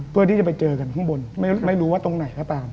เพื่อที่จะไปเจอกันข้างบนไม่รู้ว่าตรงไหนก็ตาม